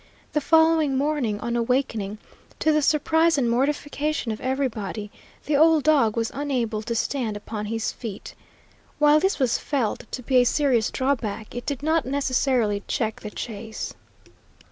The following morning on awakening, to the surprise and mortification of everybody, the old dog was unable to stand upon his feet. While this was felt to be a serious drawback, it did not necessarily check the chase.